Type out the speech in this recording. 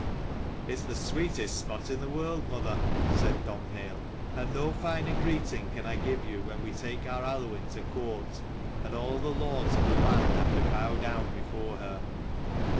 "It's the sweetest spot in the world, mother" said Domhnaill: "and no finer greeting can I give you when we take our Aluinn to court, and all the lords of the land have to bow down before her."